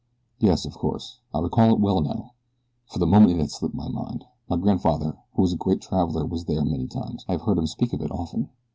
"Yes, of course. I recall it well now. For the moment it had slipped my mind. My grandfather who was a great traveler was there many times. I have heard him speak of it often."